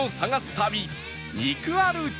旅肉歩き